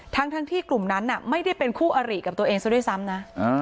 ทั้งที่กลุ่มนั้นไม่ได้เป็นคู่อริกับตัวเองซะด้วยซ้ำนะ